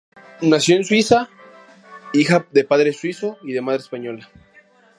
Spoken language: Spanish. Nació en Suiza, hija de padre suizo y de madre española.